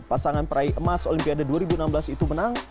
pasangan peraih emas olimpiade dua ribu enam belas itu menang